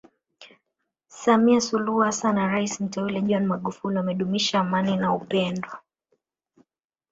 Samia Suluhu Hassan na rais Mteule John Magufuli wamedumisha amani na upendo